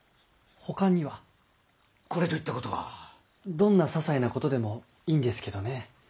どんな些細なことでもいいんですけどね。